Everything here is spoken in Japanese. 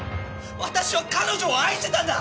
私は彼女を愛してたんだ！